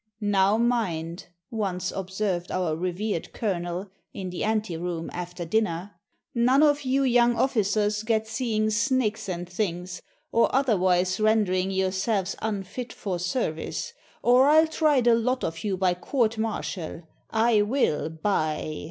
"Now mind," once observed our revered colonel, in the ante room, after dinner, "none of you young officers get seeing snakes and things, or otherwise rendering yourselves unfit for service; or I'll try the lot of you by court martial, I will, by